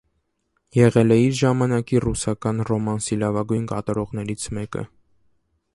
Եղել է իր ժամանակի ռուսական ռոմանսի լավագույն կատարողներից մեկը։